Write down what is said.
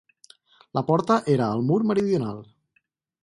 La porta era al mur meridional.